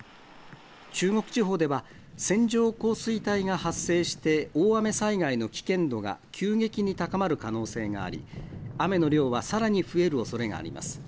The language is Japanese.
中国地方では線状降水帯が発生して大雨災害の危険度が急激に高まる可能性があり、雨の量はさらに増えるおそれがあります。